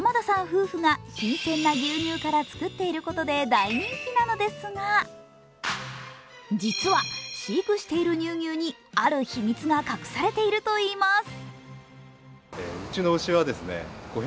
夫婦が新鮮な牛乳から作っていることで大人気なのですが、実は飼育している乳牛にある秘密が隠されているといいます。